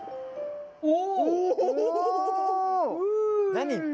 何？